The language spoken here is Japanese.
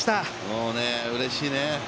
そうね、うれしいね。